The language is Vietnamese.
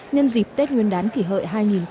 nhân dịp tết nguyên đán kỷ hợi hai nghìn một mươi chín